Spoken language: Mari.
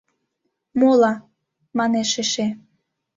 «Мола» манеш эше.